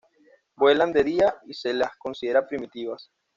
Vuelan de día y se las considera primitivas.